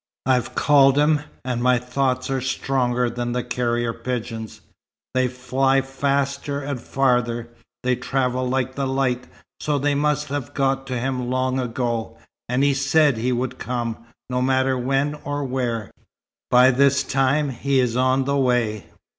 "I've called him, and my thoughts are stronger than the carrier pigeons. They fly faster and farther. They travel like the light, so they must have got to him long ago; and he said he'd come, no matter when or where. By this time he is on the way."